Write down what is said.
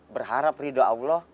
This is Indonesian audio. berharap rida allah